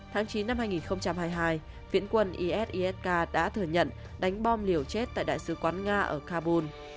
tháng chín năm hai nghìn hai mươi hai viễn quân isisk đã thừa nhận đánh bom liều chết tại đại sứ quán nga ở kabul